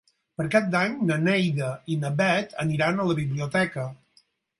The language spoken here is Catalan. Per Cap d'Any na Neida i na Bet aniran a la biblioteca.